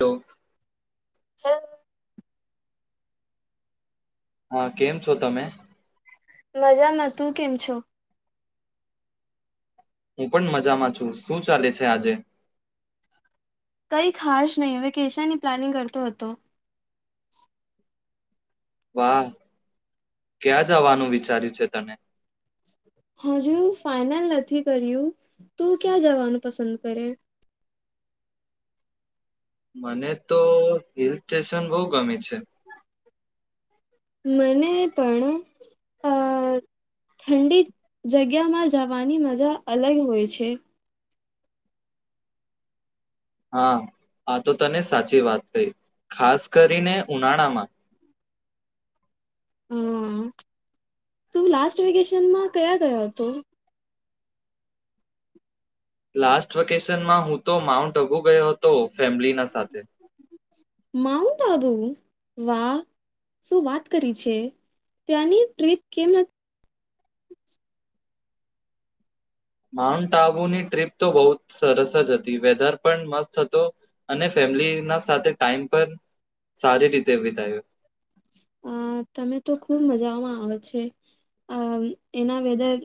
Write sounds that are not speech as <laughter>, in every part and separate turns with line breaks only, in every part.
તો
હા.
હા કેમ છો તમે?
મજામાં તું કેમ છો?
હું પણ મજામાં છું શું ચાલે છે આજે?
કઈ ખાસ નહીં વેકેશનની પ્લાનિંગ કરતો હતો.
વાહ ક્યાં જવાનું વિચાર્યું છે તને?
હજુ ફાઈનલ નથી કર્યું તું ક્યાં જવાનું પસંદ કરે
મને તો હિલ સ્ટેશન બહુ ગમે છે.
મને પણ અ ઠંડી જગ્યામાં જવાની મજા અલગ હોય છે.
હા આ તો તને સાચી વાત થઈ ખાસ કરીને ઉનાળામાં
હા તું લાસ્ટ વેકેશનમાં કયા ગયા હતો
લાસ્ટ વેકેશન માં હું તો માઉન્ટ અબુ ગયો હતો ફેમિલીના સાથે
માઉન્ટન્ટ આબુ? વાહ શું વાત કરી છે, ત્યાંની ટીત કેમ
માઉન્ટ આબુની ટ્રીપ તો બહુ સરસ જ હતી વેધર પણ મસ્ત હતો, અને ફેમિલીના સાથે ટાઈમ પણ સારી રીતે વિતાયો.
અ તમે તો ખુબ મજામાં આવે છે, આ એના વેધર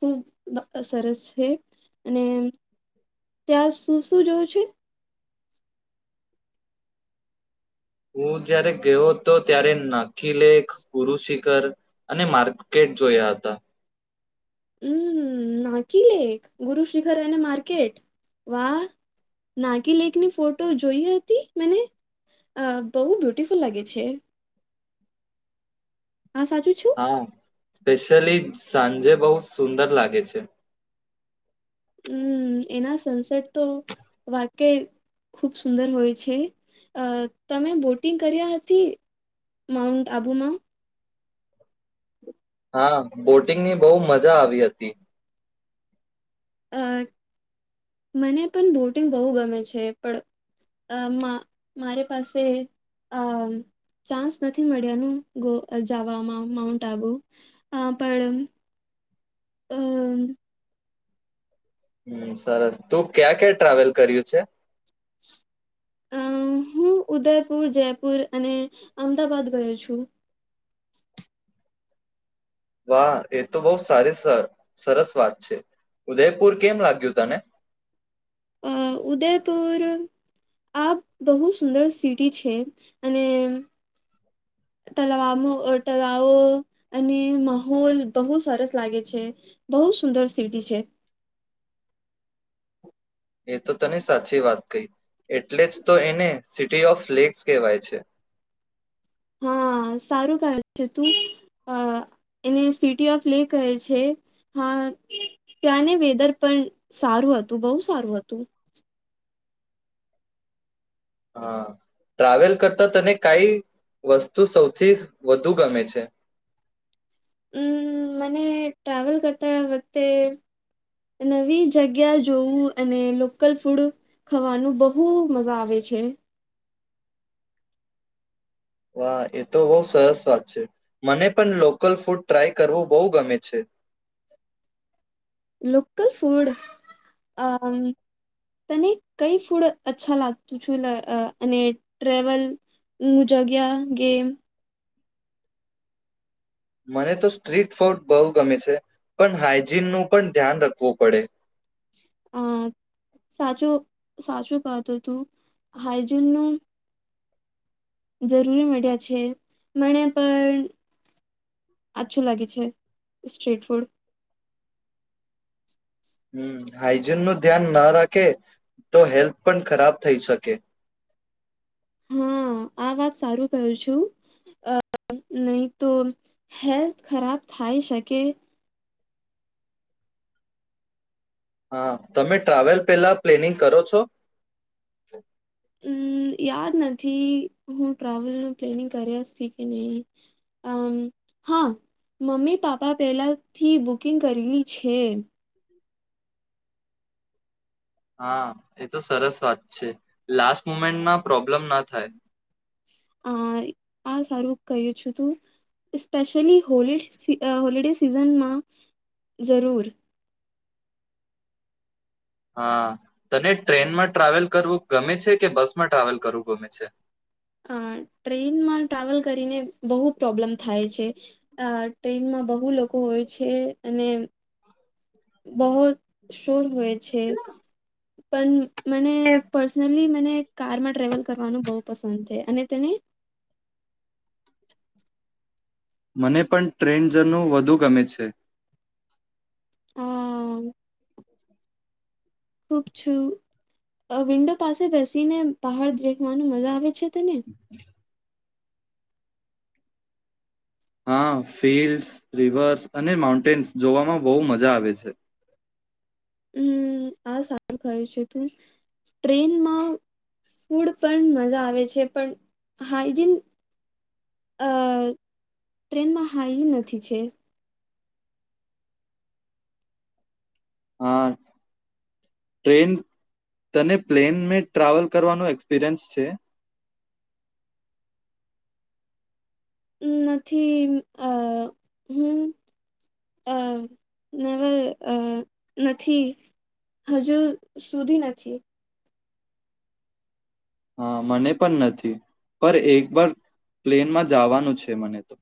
<unintelligible> સરસ છે, અને ત્યાં સુું શું જોયું છે.
હું જ્યારે ગયો હતો ત્યારે નખીલેખ ગુરુ શિખર અને બજાર જોયા હતા.
હમ નાકી લેક ગુરુ શિખર એ બજાર વાહ નાકી લેક ની ફોટો જોઈ હતી મને બહ સુંદર લાગે છે. હા સાચું છું.
ખાસ કરીને સાંજે બહુ સુંદર લાગે છે.
હમ એના સૂર્યાસ્ત તો વાક્યય ખૂબ સુંદર હોય છે, તમે બોટિંગ કર્યા હતી માઉન્ટ આબુમાં?
હા બોટિંગ મારું બહુ મજા આવી હતી.
અ મને પણ બોટિંગ બહુ ગમે છે, પણ મારે પાસે આ ચાન્સ નથી મળ્યાનું જવામાં માઉન્ટ આબુ, પણ અ
હમ સરસ તું ક્યાં ક્યા મુસાફરી કર્યું છે?
અ હું ઉદયપુર જયપુર અને અમદાવાાદ ગયો છું.
વાહ એ તો બહુ સારી સર સરસ વાત છે, ઉદયપુર કેમ લાગ્યું તને?
અ ઉદયપુર આ બહુ સુંદર શહેર છે, અને તલામ તલાવો અને માહોલ બહુ સરસ લાગે છે, બહુ સુંદર શહેર છે.
એ તો તને સાચી વાત કહી, એટલે જ તો એને તળાવોનું શહેર કહેવાય છે.
હા સારું કહે તું એને સિટી ઓફ લે કહે છે, હા ત્યાંને વેધર પણ સારું હતું બહુ સારું હતું
હા, મુસાફરી કરતા તને કઈ વસ્તુ સૌથી વધુ ગમે છે?
હમ મને મુસાફરી કરતા વખતે, નવી જગ્યા જોવું અને સ્થાનિક ખોરાક ખાવાનું બહુ મજા આવે છે.
વાહ એ તો બહુ સરસ વાત છે, મને પણ સ્થાનિક ખોરાકનો પ્રયાસ કરો કરવું બહુ ગમે છે.
સ્થાનિક ખોરાક, અ તને કઈ ખોરાક અચ્છા લાગતું છું અને ટ્રેવલું જગ્યા ગે
મને તો શેરી ખોરાક બહુ ગમે છે, પણ સ્વચ્છતા નું પણ ધ્યાન રાખવું પડે
અ સાચું સાચું વાત હતું સ્વચ્છતા નું જરૂરી મળ્યા છે, મને પણ આછું લાગે છે, સ્ટ્રીટ ફૂડ
હ હાઈજીન નું ધ્યાન ના રાખે તો આરોગ્ય પણ ખરાબ થઈ શકે
હા આ વાત સારું કું છું નહી તો હેલ્થ ખરાબ થાય શકે.
હા તમે ટ્રાવેલ પેલા આયોજન કરો છો?
હમ યાદ નથી હું ટ્રાવેલનું આયોજન કર્યા કે નહી અમ હા મમ્મી પાપા પહેલાથી બુકિંગ કરલી છે.
હા એ તો સરસ વાત છે, છેલ્લી ઘડીની સમસ્યા ના થાય.
અ આ સારું કહ્યું છું તું રજાઓની મોસમમાં ખાસ જરૂર
હા તને ટ્રેનમાં ટ મુસાફરી કરવું ગમે છે, કે બસમાં મુસાફરી કરવું ગમે છે.
અ ટ્રેનમાં મુસાફરી કરીને બહુ સમસ્યા થાય છે અ ટ્રેનમાં બ બુ લોકો હોય છે, અને બહોત શોર હોય છે. પણ મને પર્સનલી મને કારમાં ટ્રવલ કરવાનું બહુ પસંદ છે અને તેને
મને પણ ટ્રેન્ડઝનું વધુ ગમે છે.
હમ. ખુબ છું વિન્ડો પાસે બેસી ને બહડ દેખવાનું મજા આવે છે. તને
હ. હા ફિલ્ડ્સ, રિવર્સ અને માઉન્ટેન્સ જોવામાં બહુ મજા આવે છે.
હમ આ સારું ખય છે તું ટ્રેનમાં ફૂડ પણ મજા આવે છે પણ હાઈજીન અ ટ્રેનમાં હાાઈજીન નથી છે.
હા, ટ્રેન તને પ્લેન મે ટ્રાવેલ કરવાનું એક્સપિરિયન્સ છે?
નથી આ હું અ નવેલ અ નથી હજુ સુધી નથી.
હા મને પણ નથી, પર એક વાર પ્લેનમાં જવાનું છે મને તો.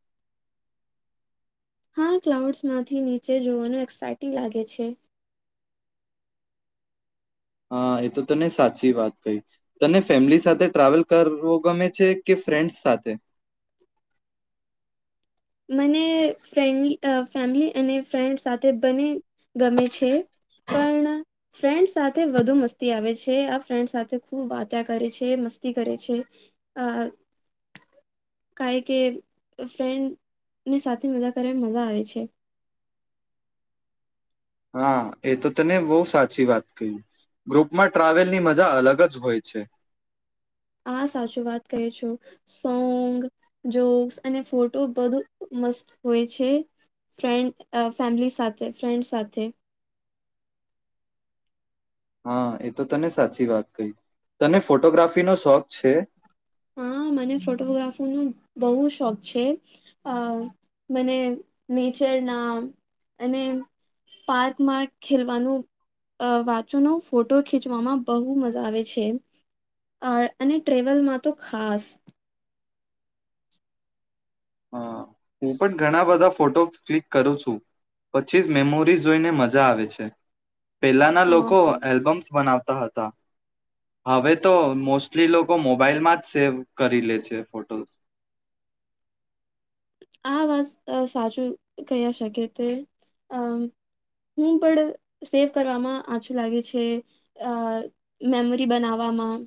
હા ક્લાઉડ્સમાંથી નીચે જોવાનું એક્સાઈટિ લાગે છે.
હા એ તો તને સાચી વાત કહી, તને ફેમિલી સાથે ટ્રાવેલ કરવો ગમે છે કે ફ્રેન્ડ્સ સાથે?
મને ફન્ ફેમિલી અને ફ્રેન્ડ સાથે બને ગમે છે, પણ ફ્રેન્ડ સાથે વધુ મસ્તી આવે છે આ ફ્રેન્ડ સાથે ખૂબ વાત્યા કરે છે મસ્તી કરે છે, કઈ કે ફ્રેન્ડ ને સાથે મજા કર મજા આવે છે.
હા એ તો તને બહુ સાચી વાત કહિ, ગ્રુપમાં ટ્રાવેલની મજા અલગ જ હોય છે.
હા સાચું વાત ક છું, સોંગ જોક્સ અને ફોટો બધુ મસ્ત હોય છે ફન્ડ ફેમિલી સાથે ફ્રેન્ડ સાથે.
હા એ તો તને સાચી વાત કહી, તને ફોટોગ્રાફીનોો શોખ છે?
હા મને ફોટોગ્રાફીનો બહ શોખ છે, મને નેચર ના અને પાર્કમાં ખેલવાનું વાચનો ફોટો ખીચવામાં બહુ મજા આવે છે, અને ટ્રેવલમાં તો ખાસ.
હા હું પણ ઘણા બધા ફોટો ક્લિક કરું છું, પછી જ મેમોરીઝ જોઈને મજા આવે છે. પેલાના
અ
લોકો એલ્બમ્સ બનાવતા. હવે તો મોસ્ટલી લોકો મોબાઈલમાં જ સેવ કરી લે છે ફોટો.
આ વાત સાચું કહીયા શકે તે, અ હું પણ સેવ કરવામાં આચું લાગે છે, મેમરી બનાવવામાં,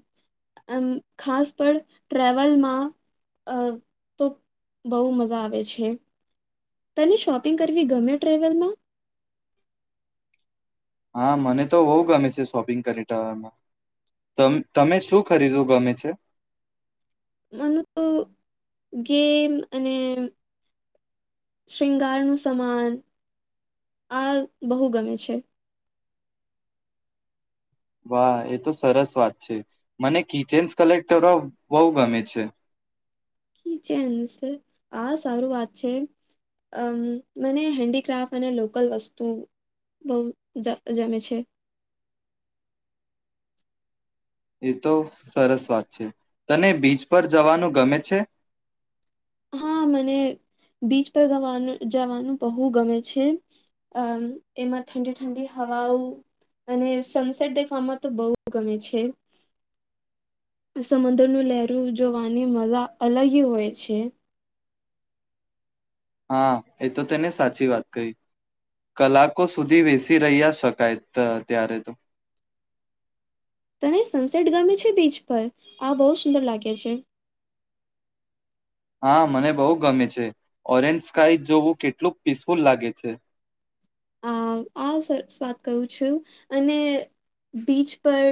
ખાસ પણ ટ્રેવલમાં તો બહ મજ મજા આવે છે. તને શોપિંગ કરવી ગમે ટ્રેવલમાં?
હા મને તો બહુ ગમે છે શોપિંગ કરી દવામાં, તમે શું ખરીદું ગમે છે?
મને તો ગેમ અને શૃંગાર ન સમાન આ બહુ ગમે છે.
વાહ એ તો સરસ વાત છે, મને કિચન્સ કલેક્ટર બહ ગમે છે.
આ સારું વાત છે અમ મને હેન્ડીક્રાફ્ટ અને લોકલ વસ્તુ બહ જમે છે.
એ તો સરસ વાત છે. તને બીચ પર જવાનું ગમે છે.
હા મને બીચ પર ગવાનું જવાનું બહુ ગમે છે અ એમાં ઠંડી ઠંડી હવાઓ અને સનસેટ દેખવામાં તો બહુ ગમે છે સમુદ્રનું લહેરું જોવાની મજા અલગ હોય છે.
હા એ તો તેને સાચી વાત કહી કલાકો સુધી વસી રહ્યા શકાય ત્યારે તો
તને સનસેટ ગમે છે બીચ પર આ બહુ સુંદર લાગે છે.
હા મને બહુ ગમે છે ઓરેન્જ સ્કાય જોવું કેટલું પીસફુલ લાગે છે.
આ વાત કું છું અને બીચ પર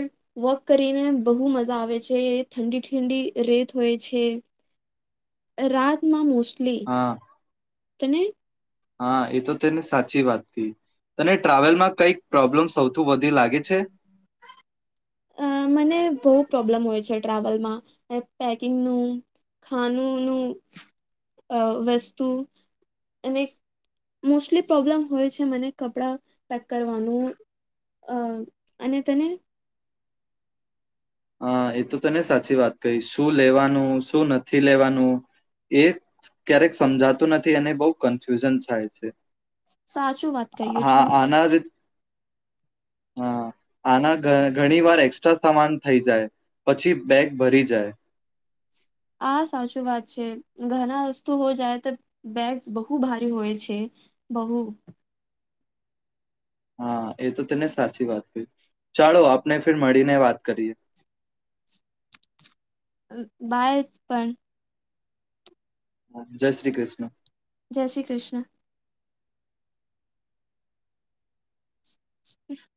વોક કરીને બહુ મજા આવે છે ઠંડી ઠંડી રેત હોય છે રાતમાં મોસ્ટ
હા.
તને
હા એ તો તેને સાચી વાત થ તને ટ્રાવેલમાં કઈક પ્રોબ્લેમ સૌથી વધી લાગે છે.
અ મને બહુ પ્રોબ્લમ હોય છે ટ્રાવેલમાં પેકિંગનું ખાનુંનું વસ્તુ અને મોસ્ટલી પ્રોબ્લમ હોય છે મને કપડાં પેક કરવાનું અને તને
હા એ તો તને સાચી વાત કહી શું લેવાનું શું નથી લેવાનું એ ક્યારેક સમજાતું નથી અનેને બહુ કન્ફ્યુઝન થાય છે.
સાચું વાત ક્યો
હા
છું.
આના રી હા આના ઘણી વાર એક્સ્ટ્રા સામાન થઈ જાય પછી બેગ ભરી જાય.
હા સાચું વાત છે ઘણા વસ્તુ હો જાય તો બેગ બહુ ભારી હોય છે બહુ
હા એ તો તેને સાચી વાત કહી, ચાલો આપને ફર મળીને વાત કરીએ.
બાર પણ
હા જય શ્રી કૃષ્ણ.
જય શ્રી કૃષ્ણ. હ <unintelligible>